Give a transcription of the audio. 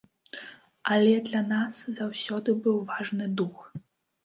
Але для нас заўсёды быў важны дух.